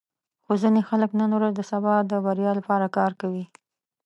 خو ځینې خلک نن ورځ د سبا د بریا لپاره کار کوي.